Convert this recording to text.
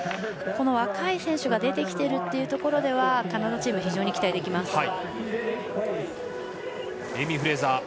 この若い選手が出てきているというところではカナダチーム非常に期待できます。